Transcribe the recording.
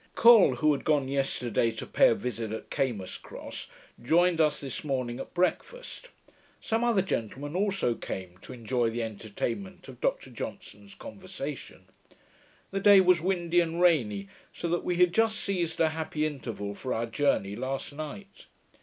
Col, who had gone yesterday to pay a visit at Camuscross, joined us this morning at breakfast. Some other gentlemen also came to enjoy the entertainment of Dr Johnson's conversation. The day was windy and rainy, so that we had just seized a happy interval for our journey last night.